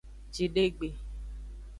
Jidegbe.